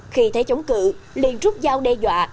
khi thấy chống cự liền rút dao đe dọa